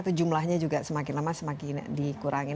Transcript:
atau jumlahnya juga semakin lama semakin dikurangi